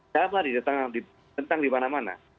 sama ditentang di mana mana